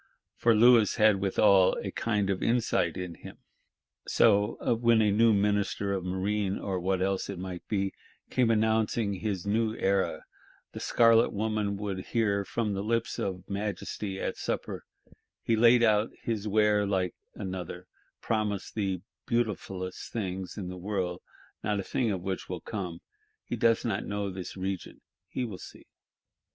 For Louis had withal a kind of insight in him. So, when a new Minister of Marine, or what else it might be, came announcing his new era, the Scarlet woman would hear from the lips of Majesty at supper: 'Yes, he spread out his ware like another; promised the beautifulest things in the world; not a thing of which will come: he does not know this region; he will see.